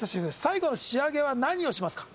最後の仕上げは何をしますか？